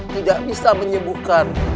tidak bisa menyembuhkan